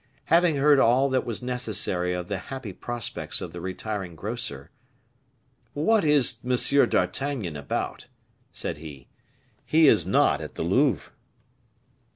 Having heard all that was necessary of the happy prospects of the retiring grocer, "What is M. d'Artagnan about?" said he; "he is not at the Louvre."